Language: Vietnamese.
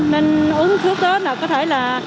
nên uống thuốc đó nào có thể là